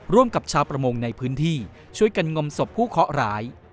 ร่วมกับชาวประมงในพื้นที่ช่วยกันงมศพผู้เคาะร้าย